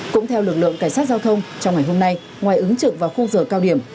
cũng theo lực lượng cảnh sát giao thông trong ngày hôm nay ngoài ứng trực vào khung giờ cao điểm